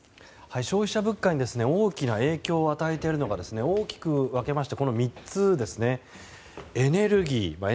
消費者物価に大きな影響を与えているのが大きく分けましてこの３つですね。